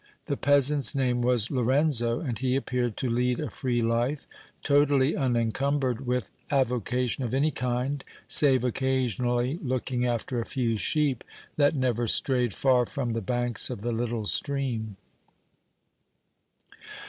The peasant's name was Lorenzo, and he appeared to lead a free life, totally unencumbered with avocation of any kind, save occasionally looking after a few sheep that never strayed far from the banks of the little stream.